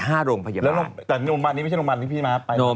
แต่โรงพยาบาลนี้ไม่ใช่โรงพยาบาลที่พี่มาไป